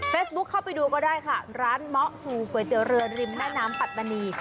เข้าไปดูก็ได้ค่ะร้านเมาะฟูก๋วยเตี๋ยวเรือริมแม่น้ำปัตตานี